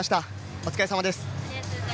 お疲れさまです。